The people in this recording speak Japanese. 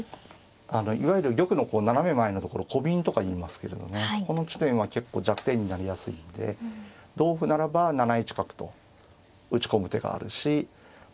あのいわゆる玉のこう斜め前のところをコビンとかいいますけれどねそこの地点は結構弱点になりやすいんで同歩ならば７一角と打ち込む手があるしま